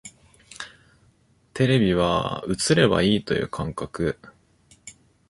テレビは映ればいいという感覚